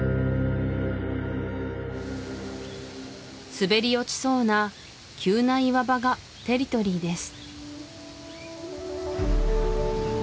滑り落ちそうな急な岩場がテリトリーです